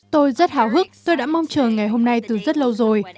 tôi rất hào hức tôi đã mong chờ ngày hôm nay từ rất lâu rồi